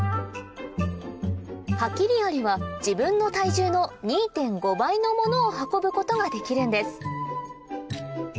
ハキリアリは自分の体重の２．５倍の物を運ぶことができるんです